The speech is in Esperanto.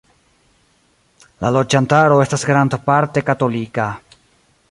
La loĝantaro esta grandparte katolika.